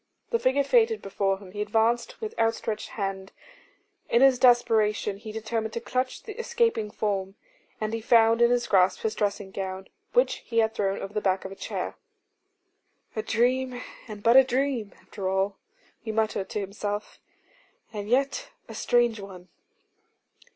The figure faded before him; he advanced with outstretched hand; in his desperation he determined to clutch the escaping form: and he found in his grasp his dressing gown, which he had thrown over the back of a chair. 'A dream, and but a dream, after all,' he muttered to himself; 'and yet a strange one.